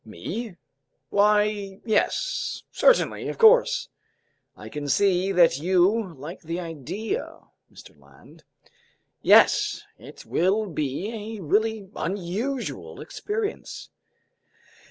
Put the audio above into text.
"Me? Why yes, certainly, of course! I can see that you like the idea, Mr. Land." "Yes! It will be a really unusual experience!"